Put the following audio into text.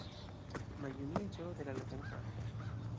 Maljuniĝo de la loĝantaro.